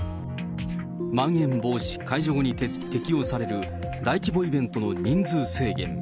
まん延防止解除後に適用される大規模イベントの人数制限。